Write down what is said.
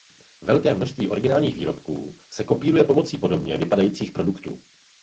Velké množství originálních výrobků se kopíruje pomocí podobně vypadajících produktů.